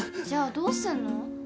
じゃあどうするの？